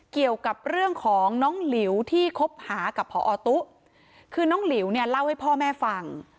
เกี่ยวกับเรื่องของน้องหลิวที่คบหากับพอตุ๊คือน้องหลิวเนี่ยเล่าให้พ่อแม่ฟัง